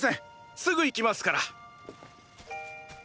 すぐ行きますから。